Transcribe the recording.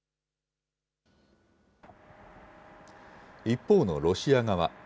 一方のロシア側。